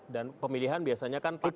dan pemilihan biasanya kan paket